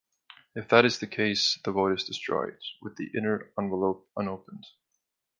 If that is the case, the vote is destroyed, with the inner envelope unopened.